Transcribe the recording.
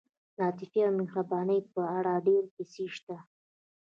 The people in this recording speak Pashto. د عاطفې او مهربانۍ په اړه ډېرې کیسې شته.